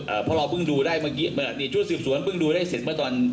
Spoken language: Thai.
เอ่อพอเราเพิ่งดูได้เมื่อกี้มันอ่ะนี่ชุดสืบสวนเพิ่งดูได้เสร็จมาตอน